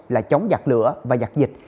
là chống giặc lửa và giặc dịch